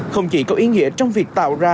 không chỉ có ý nghĩa trong việc tạo ra